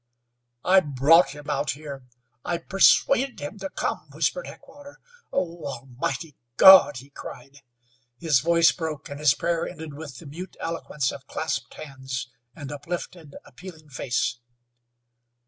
"I brought him out here. I persuaded him to come!" whispered Heckewelder. "Oh, Almighty God!" he cried. His voice broke, and his prayer ended with the mute eloquence of clasped hands and uplifted, appealing face.